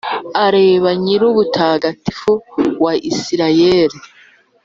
arebe Nyirubutagatifu wa Israheli.